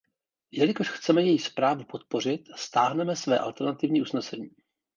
Jelikož chceme její zprávu podpořit, stáhneme své alternativní usnesení.